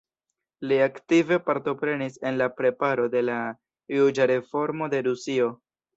Li aktive partoprenis en la preparo de la juĝa reformo de Rusio.